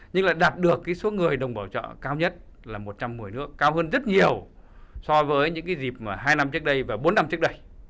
nhưng là đạt được số người đồng bảo trợ cao nhất là một trăm một mươi nước cao hơn rất nhiều so với những dịp hai năm trước đây và bốn năm trước đây